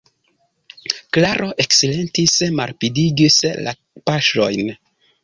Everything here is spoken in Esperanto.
Klaro eksilentis, malrapidigis la paŝojn.